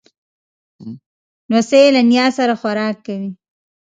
لمسی له نیا سره خوراک کوي.